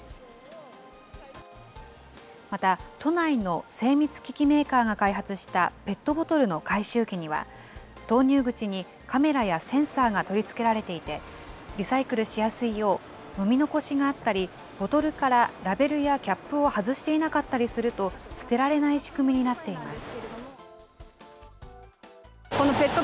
また、都内の精密機器メーカーが開発したペットボトルの回収機には、投入口にカメラやセンサーが取り付けられていて、リサイクルしやすいよう、飲み残しがあったり、ボトルからラベルやキャップを外していなかったりすると、捨てられない仕組みになっています。